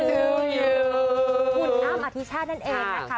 คุณอ้ำอธิชาตินั่นเองนะคะ